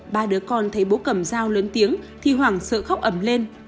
ba đứa con thấy bố cầm dao lớn tiếng thì hoảng sợ khóc ẩm lên